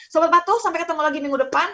sempat patuh sampai ketemu lagi minggu depan